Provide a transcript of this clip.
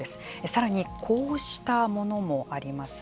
さらにこうしたものもあります。